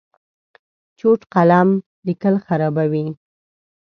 چوټ قلم لیکل خرابوي.